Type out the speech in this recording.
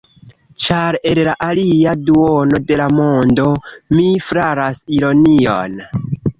Ĉar el la alia duono de la mondo, mi flaras ironion.